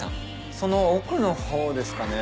その奥のほうですかね。